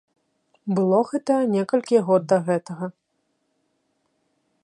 Было гэта некалькі год да гэтага.